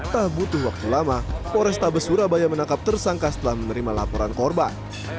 tak butuh waktu lama porestabes surabaya menangkap tersangka setelah menerima laporan korban